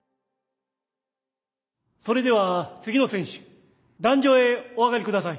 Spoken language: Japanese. それでは次の選手壇上へお上がり下さい。